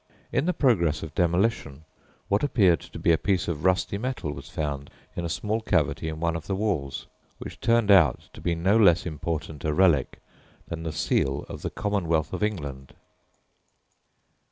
In the progress of demolition what appeared to be a piece of rusty metal was found in a small cavity in one of the walls, which turned out to be no less important a relic than the seal of the Commonwealth of England.